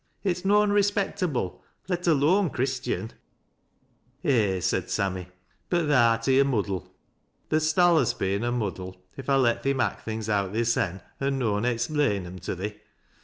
It's noan respectable, let alone Chris tian." " Eh !" said Sammy ;" but tha'rt i' a muddle. Th'dst alius be i' a muddle if I'd let thee mak' things out thysen an' noan explain 'em to thee.